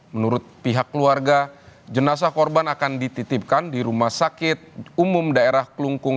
menurut pihak keluarga jenazah korban akan dititipkan di rumah sakit umum daerah klungkung